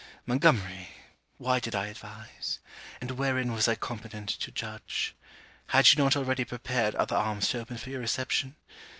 Montgomery, why did I advise? And wherein was I competent to judge? Had you not already prepared other arms to open for your reception?